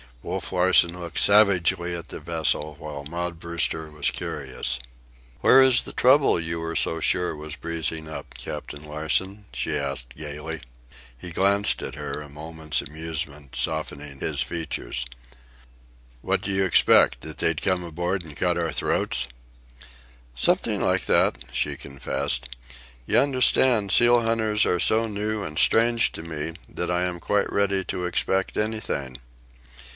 Wolf Larsen looked savagely at the vessel, while Maud Brewster was curious. "Where is the trouble you were so sure was breezing up, Captain Larsen?" she asked gaily. He glanced at her, a moment's amusement softening his features. "What did you expect? That they'd come aboard and cut our throats?" "Something like that," she confessed. "You understand, seal hunters are so new and strange to me that I am quite ready to expect anything."